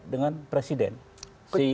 dengan presiden si